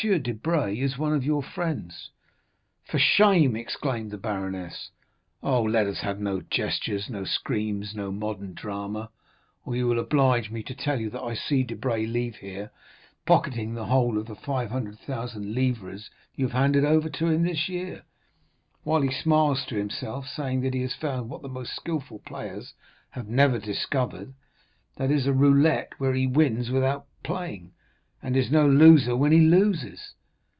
Debray is one of your friends." 30245m "For shame!" exclaimed the baroness. "Oh, let us have no gestures, no screams, no modern drama, or you will oblige me to tell you that I see Debray leave here, pocketing the whole of the 500,000 livres you have handed over to him this year, while he smiles to himself, saying that he has found what the most skilful players have never discovered—that is, a roulette where he wins without playing, and is no loser when he loses."